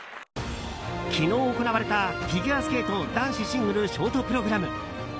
昨日行われたフィギュアスケート男子シングルショートプログラム。